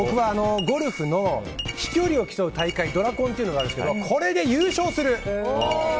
ゴルフの飛距離を競う大会、ドラコンっていうのがあるんですけどこれで優勝する！